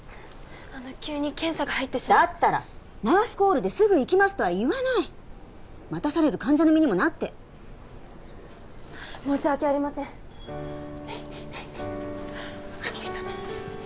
急に検査が入ってしまってだったらナースコールで「すぐ行きます」とは言わない待たされる患者の身にもなって申し訳ありませんねえねえねえねえ